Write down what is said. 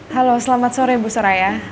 halo selamat sore bu suraya